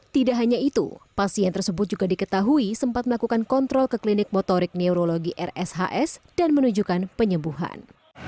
tidak hanya itu pasien tersebut juga diketahui sempat melakukan kontrol ke klinik motorik neurologi rshs dan menunjukkan penyembuhan